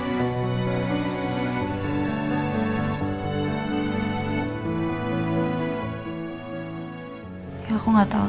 di depan itu